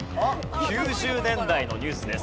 ９０年代のニュースです。